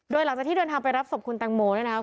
โดยหลังจากที่เดินทางไปรับศพคุณแตงโมเนี่ยนะครับ